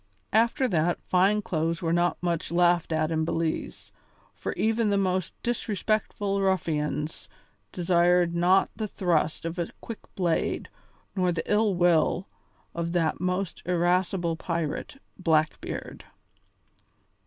After that fine clothes were not much laughed at in Belize, for even the most disrespectful ruffians desired not the thrust of a quick blade nor the ill will of that most irascible pirate, Blackbeard.